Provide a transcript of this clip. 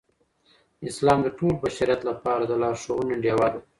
اسلام د ټول بشریت لپاره د لارښوونې ډېوه ده.